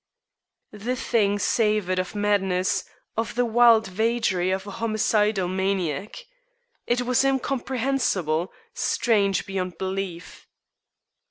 The thing savored of madness, of the wild vagary of a homicidal maniac. It was incomprehensible, strange beyond belief.